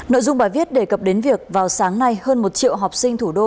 nội dung bài viết đề cập đến việc vào sáng nay hơn một triệu học sinh thủ đô